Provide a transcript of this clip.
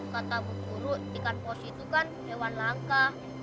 kata buku ru ikan paus itu kan hewan langka